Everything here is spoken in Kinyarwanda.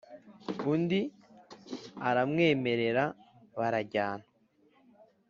undi aramwemerera barajyana .